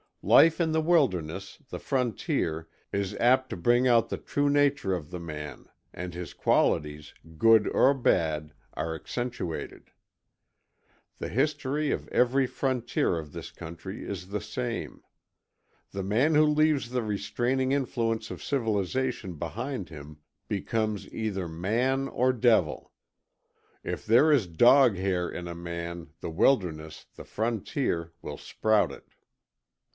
Life in the wilderness, the frontier, is apt to bring out the true nature of the man, and his qualities, good or bad, are accentuated. The history of every frontier of this country is the same. The man who leaves the restraining influence of civilization behind him, becomes either man or devil. If there is "dog hair" in a man, the wilderness, the frontier, will sprout it.